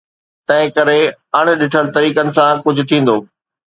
تنهنڪري اڻ ڏٺل طريقن سان ڪجهه ٿيندو.